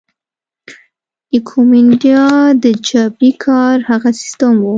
ایکومینډا د جبري کار هغه سیستم وو.